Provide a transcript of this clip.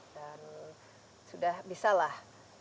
dan sudah bisa lah